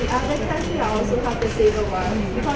เราต้องการการความชื่นกัน